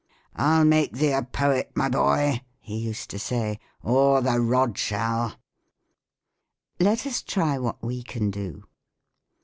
" I'll make thee a poet, my boy," he used to say, " or the rod shall." Let us try what we can do.